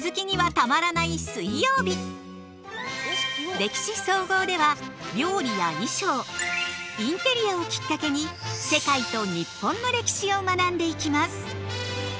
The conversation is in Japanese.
「歴史総合」では料理や衣装インテリアをきっかけに世界と日本の歴史を学んでいきます。